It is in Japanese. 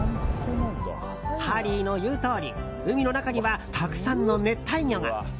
ハリーの言うとおり海の中には、たくさんの熱帯魚が。